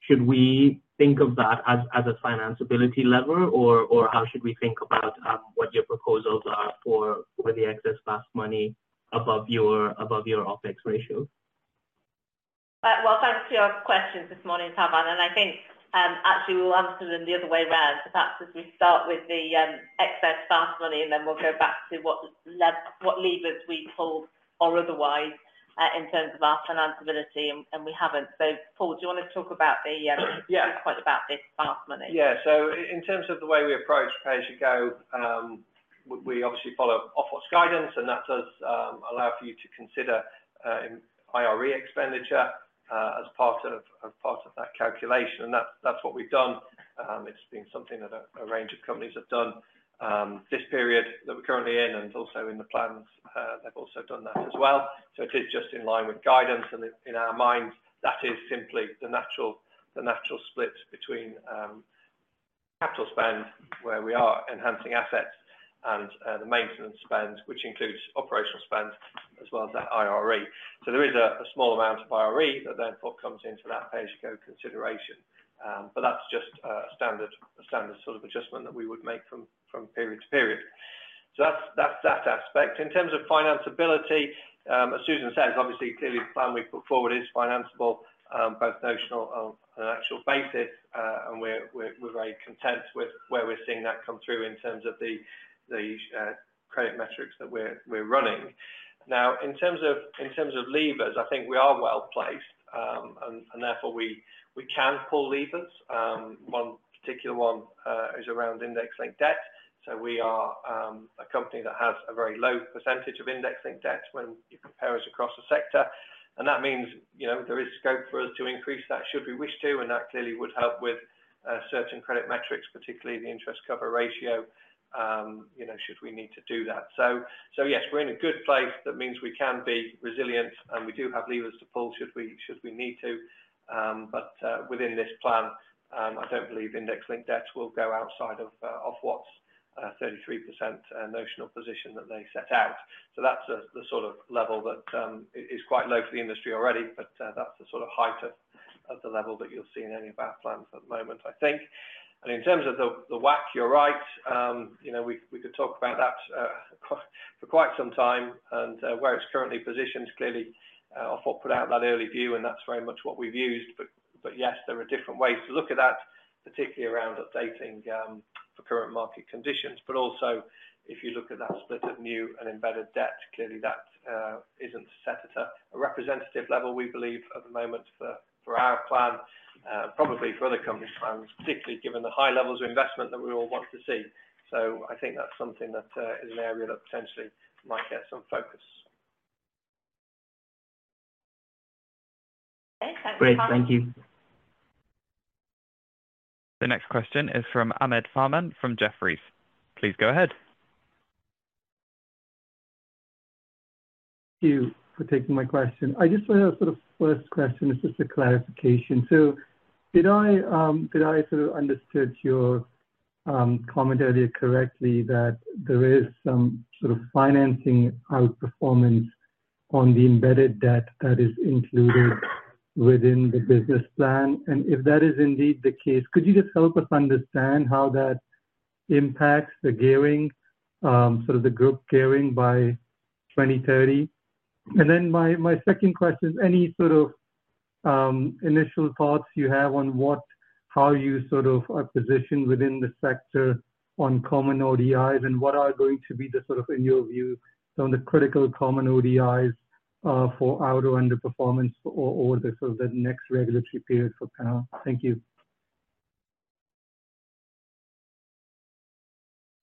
Should we think of that as a financeability lever, or how should we think about what your proposals are for the excess Fast money above your OpEx ratio? Well, thanks for your questions this morning, Pavan, and I think, actually, we'll answer them the other way around. So perhaps if we start with the excess Fast money, and then we'll go back to what levers we pulled or otherwise in terms of our financeability, and we haven't. So, Paul, do you want to talk about the Yeah. Quick point about this Fast money? Yeah. So in terms of the way we approach pay as you go, we, we obviously follow Ofwat's guidance, and that does allow for you to consider IRE expenditure as part of, as part of that calculation, and that's, that's what we've done. It's been something that a range of companies have done this period that we're currently in, and also in the plans, they've also done that as well. So it is just in line with guidance, and in our minds, that is simply the natural, the natural split between capital spend, where we are enhancing assets, and the maintenance spend, which includes operational spend, as well as that IRE. So there is a small amount of IRE that therefore comes into that pay as you go consideration. But that's just a standard sort of adjustment that we would make from period to period. So that's that aspect. In terms of financeability, as Susan says, obviously, clearly, the plan we put forward is financeable, both notional and actual basis, and we're very content with where we're seeing that come through in terms of the credit metrics that we're running. Now, in terms of levers, I think we are well-placed, and therefore, we can pull levers. One particular one is around index-linked debt. So we are a company that has a very low percentage of index-linked debt when you compare us across the sector, and that means, you know, there is scope for us to increase that should we wish to, and that clearly would help with certain credit metrics, particularly the interest cover ratio, you know, should we need to do that. So, so yes, we're in a good place. That means we can be resilient, and we do have levers to pull, should we, should we need to. But within this plan, I don't believe index-linked debts will go outside of Ofwat's 33% notional position that they set out. So that's the sort of level that is quite low for the industry already, but that's the sort of height of the level that you'll see in any of our plans at the moment, I think. And in terms of the WACC, you're right. You know, we could talk about that for quite some time and where it's currently positioned, clearly Ofwat put out that early view, and that's very much what we've used. But yes, there are different ways to look at that, particularly around updating debt for current market conditions. But also, if you look at that split of new and embedded debt, clearly that isn't set at a representative level, we believe, at the moment for our plan, probably for other companies' plans, particularly given the high levels of investment that we all want to see. So I think that's something that is an area that potentially might get some focus. Great. Thank you. The next question is from Ahmed Farman from Jefferies. Please go ahead. Thank you for taking my question. I just want to sort of first question is just a clarification. So did I, did I sort of understood your, comment earlier correctly, that there is some sort of financing outperformance on the embedded debt that is included within the business plan? And if that is indeed the case, could you just help us understand how that impacts the gearing, sort of the group gearing by 2030? And then my, my second question is any sort of, initial thoughts you have on how you sort of are positioned within the sector on common ODIs, and what are going to be the sort of, in your view, some of the critical common ODIs, for Ofwat underperformance or over the sort of the next regulatory period for Pennon? Thank you.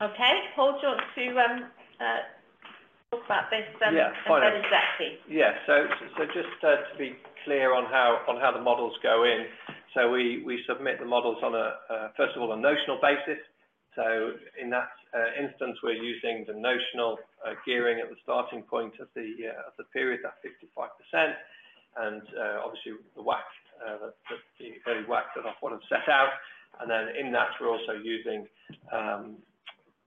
Okay. Paul, do you want to talk about this then- Yeah. And then exactly. Yeah. So, just to be clear on how the models go in, so we submit the models on a first of all, a notional basis. So in that instance, we're using the notional gearing at the starting point of the period, that 55%, and obviously, the WACC, the very WACC that I've sort of set out. And then in that, we're also using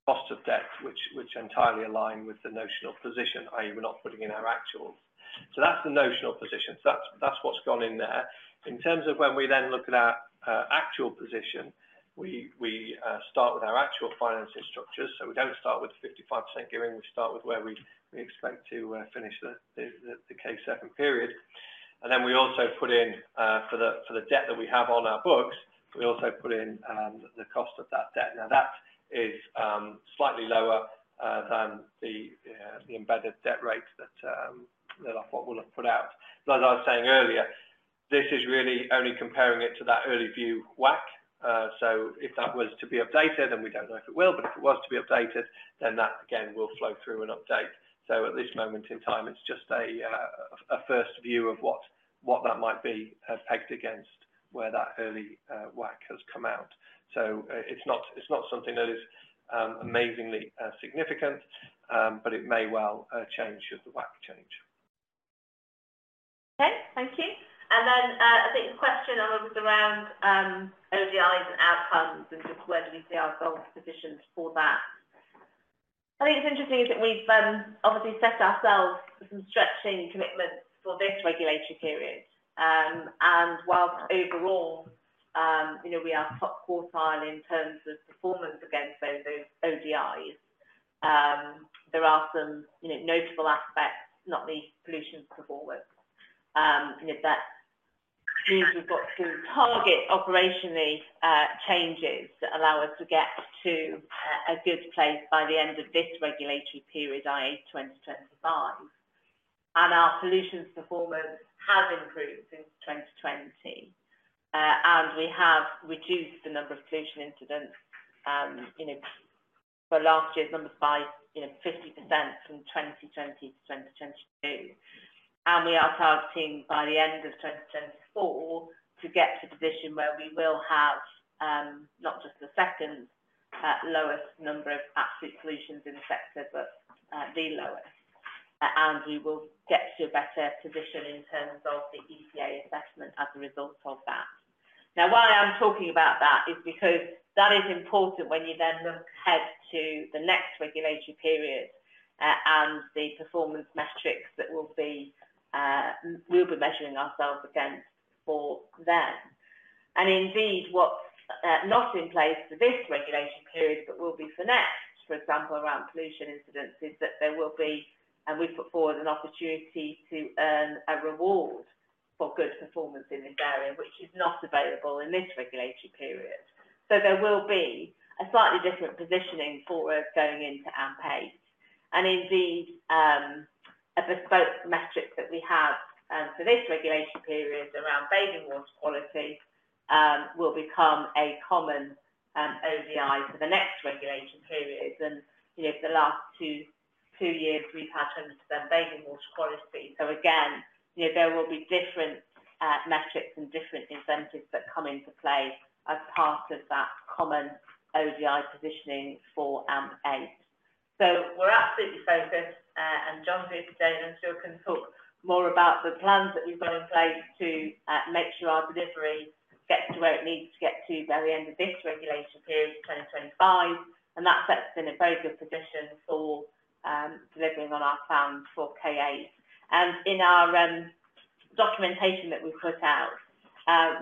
cost of debt, which entirely align with the notional position, i.e., we're not putting in our actual. So that's the notional position. So that's what's gone in there. In terms of when we then look at our actual position, we start with our actual financing structures. So we don't start with 55% gearing. We start with where we expect to finish the K7 period. Then we also put in for the debt that we have on our books, we also put in the cost of that debt. Now, that is slightly lower than the embedded debt rates that Ofwat will have put out. But as I was saying earlier, this is really only comparing it to that early view WACC. So if that was to be updated, and we don't know if it will, but if it was to be updated, then that, again, will flow through an update. So at this moment in time, it's just a first view of what that might be pegged against where that early WACC has come out. So, it's not, it's not something that is amazingly significant, but it may well change as the WACC change. Okay, thank you. And then, I think the question was around, ODIs and outcomes and just where do we see ourselves positioned for that? I think it's interesting is that we've, obviously set ourselves some stretching commitments for this regulatory period. And while overall, you know, we are top quartile in terms of performance against those ODIs, there are some, you know, notable aspects, not the solutions performance. And if that means we've got to target operationally, changes that allow us to get to, a good place by the end of this regulatory period, i.e., 2025. And our solutions performance has improved since 2020, and we have reduced the number of pollution incidents, you know, for last year's numbers by, you know, 50% from 2020 to 2022. And we are targeting by the end of 2024 to get to a position where we will have, not just the second, lowest number of absolute solutions in the sector, but, the lowest. And we will get to a better position in terms of the EPA assessment as a result of that. Now, why I'm talking about that is because that is important when you then look ahead to the next regulatory period, and the performance metrics that we'll be, we'll be measuring ourselves against for them. And indeed, what's, not in place for this regulation period, but will be for next, for example, around pollution incidences, that there will be, and we put forward an opportunity to earn a reward for good performance in this area, which is not available in this regulatory period. So there will be a slightly different positioning for us going into AMP8. And indeed, a bespoke metric that we have for this regulation period around bathing water quality will become a common ODI for the next regulation periods. And, you know, the last two years, we've had to understand bathing water quality. So again, you know, there will be different metrics and different incentives that come into play as part of that common ODI positioning for AMP8. So we're absolutely focused, and John's here today, and he still can talk more about the plans that we've got in place to make sure our delivery gets to where it needs to get to by the end of this regulation period, 2025, and that sets us in a very good position for delivering on our plans for K8. And in our documentation that we put out,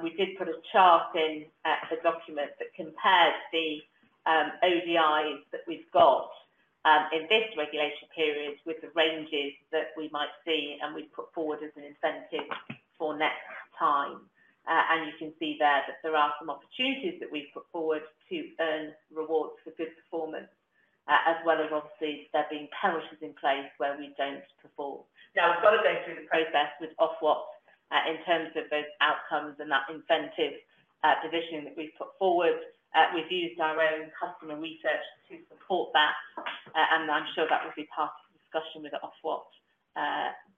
we did put a chart in the document that compared the ODIs that we've got in this regulation period with the ranges that we might see, and we've put forward as an incentive for next time. And you can see there that there are some opportunities that we've put forward to earn rewards for good performance, as well as obviously there being penalties in place where we don't perform. Now, we've got to go through the process with Ofwat in terms of those outcomes and that incentive position that we've put forward. We've used our own customer research to support that, and I'm sure that will be part of the discussion with Ofwat,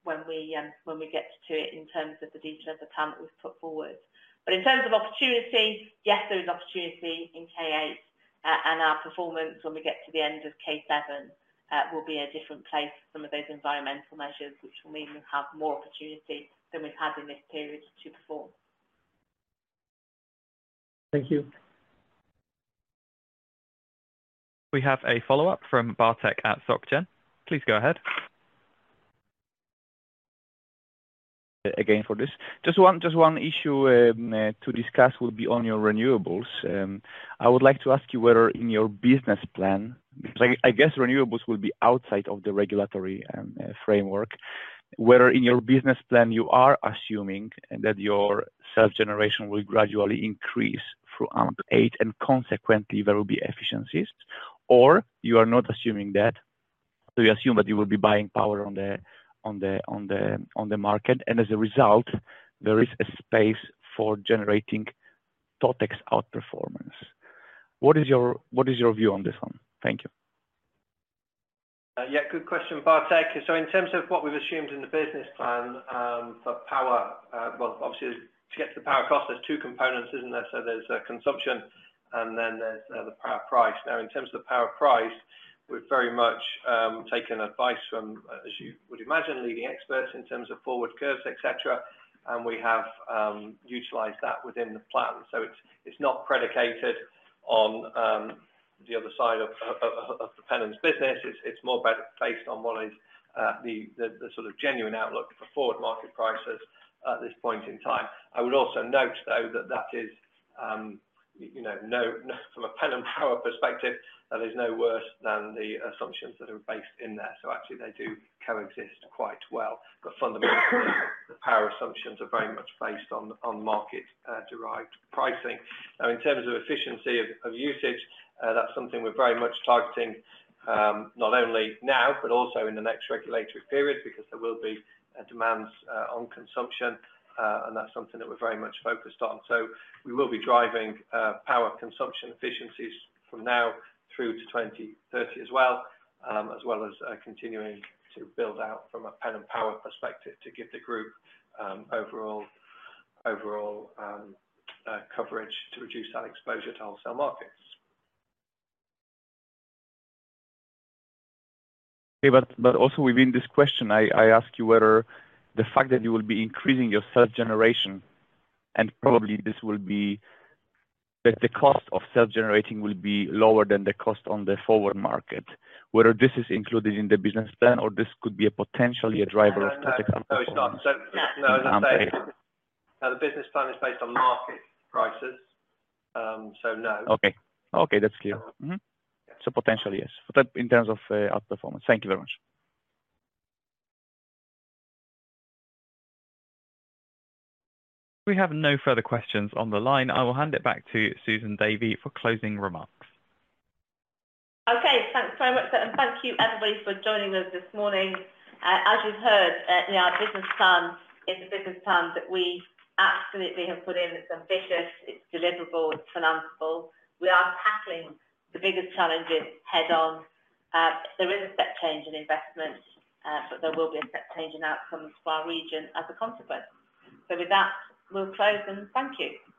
when we, when we get to it in terms of the detail of the plan that we've put forward. But in terms of opportunity, yes, there is opportunity in K8, and our performance when we get to the end of K7, will be a different place from those environmental measures, which will mean we have more opportunity than we've had in this period to perform. Thank you. We have a follow-up from Bartek at Soc Gen. Please go ahead. Again, for this. Just one issue to discuss will be on your renewables. I would like to ask you whether in your business plan, because I guess renewables will be outside of the regulatory framework, whether in your business plan you are assuming that your self-generation will gradually increase through AMP8, and consequently, there will be efficiencies, or you are not assuming that? Do you assume that you will be buying power on the market, and as a result, there is a space for generating Totex outperformance? What is your view on this one? Thank you. Yeah, good question, Bartek. So in terms of what we've assumed in the business plan, for power, well, obviously, to get to the power cost, there's two components, isn't there? So there's consumption, and then there's the power price. Now, in terms of the power price, we've very much taken advice from, as you would imagine, leading experts in terms of forward curves, et cetera, and we have utilized that within the plan. So it's not predicated on the other side of the Pennon's business. It's more better based on what is the sort of genuine outlook for forward market prices at this point in time. I would also note, though, that that is, you know, no, from a Pennon Power perspective, that is no worse than the assumptions that are based in there. So actually, they do coexist quite well. But fundamentally, the power assumptions are very much based on market derived pricing. Now, in terms of efficiency of usage, that's something we're very much targeting, not only now, but also in the next regulatory period, because there will be a demands on consumption, and that's something that we're very much focused on. So we will be driving power consumption efficiencies from now through to 2030 as well, as well as continuing to build out from a Pennon Power perspective to give the group overall coverage to reduce our exposure to wholesale markets. Yeah, but also within this question, I ask you whether the fact that you will be increasing your self-generation, and probably this will be... that the cost of self-generating will be lower than the cost on the forward market, whether this is included in the business plan or this could be potentially a driver of Totex outperformance- No, it's not. So, no, as I say, the business plan is based on market prices, so no. Okay. Okay, that's clear. Yeah. So potentially, yes, but in terms of outperformance. Thank you very much. We have no further questions on the line. I will hand it back to Susan Davy for closing remarks. Okay, thanks very much, and thank you, everybody, for joining us this morning. As you've heard, our business plan is a business plan that we absolutely have put in. It's ambitious, it's deliverable, it's financial. We are tackling the biggest challenges head-on. There is a step change in investments, but there will be a step change in outcomes for our region as a consequence. So with that, we'll close and thank you.